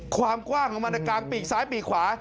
ความกว้างของมันกลางปีกซ้ายปีกขวา